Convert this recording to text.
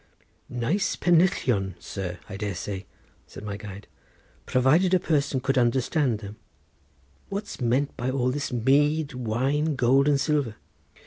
"Nice pennillion, sir, I dare say," said my guide, "provided a person could understand them. What's meant by all this mead, wine, gold and silver?"